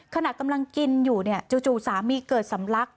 ขนาดกำลังกินอยู่จู่สามีเกิดสำลัก